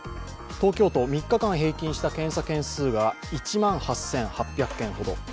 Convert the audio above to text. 東京都３日間平均した検査件数が１万８８００件ほど。